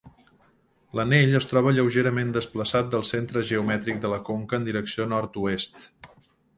L'anell es troba lleugerament desplaçat del centre geomètric de la conca en direcció nord-oest.